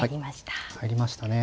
入りましたね。